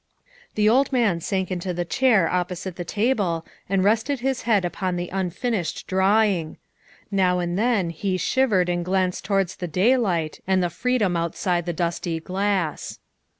The old man sank into the chair beside the table and rested his head upon the unfinished drawing. Now and then he shivered and glanced towards the daylight and freedom outside the dusty glass.